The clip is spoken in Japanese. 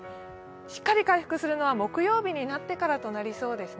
しっかり回復するのは木曜日になってからとなりそうです。